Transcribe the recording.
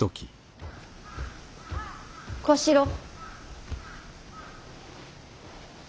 小四郎。